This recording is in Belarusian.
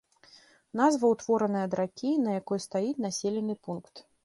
Назва ўтвораная ад ракі, на якой стаіць населены пункт.